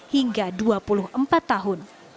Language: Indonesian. hingga dua puluh empat tahun